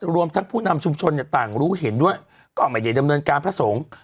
รวมทั้งผู้นำชุมชนเนี่ยต่างรู้เห็นด้วยก็ไม่ได้ดำเนินการพระสงฆ์